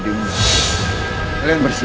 sampai jumpa lagi